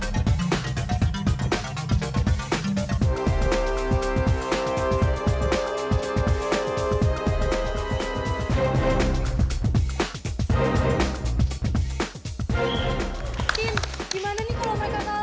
sin gimana nih kalo mereka kalah